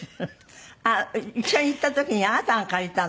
あっ一緒に行った時にあなたが借りたの？